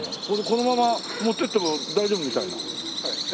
これこのまま持っていっても大丈夫みたいな。